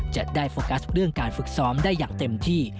จะได้โฟกัสเรื่องการฝึกซ้อมได้อย่างเต็มที่